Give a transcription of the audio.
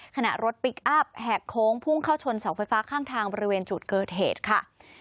ขณะรถพลิกอัพแหกโค้งพุ่งเข้าชนเสาไฟฟ้าข้างทางบริเวณจุดเกิดเหตุค่ะ